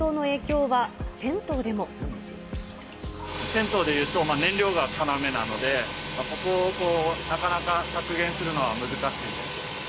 銭湯でいうと、燃料が要なので、ここをなかなか削減するのは難しいです。